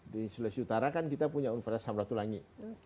di sulawesi utara kan kita punya universitas samratulangi